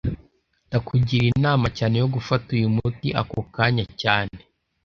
Ndakugira inama cyane yo gufata uyu muti ako kanya cyane